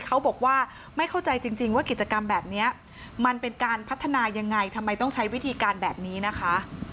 เขาบอกว่าไม่เข้าใจจริงว่ากิจกรรมแบบนี้มันเป็นการพัฒนายังไงทำไมต้องใช้วิธีการแบบนี้นะคะ